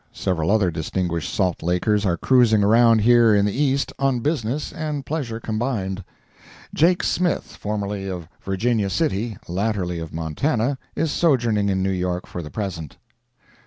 Several other distinguished Salt Lakers are cruising around here in the East, on business and pleasure combined. Jake Smith, formerly of Virginia City, latterly of Montana, is sojourning in New York for the present.